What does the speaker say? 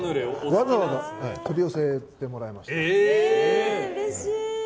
わざわざ取り寄せてもらいました。